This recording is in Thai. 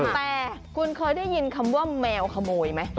แต่คุณเคยได้ยินคำว่าแมวขโมยไหม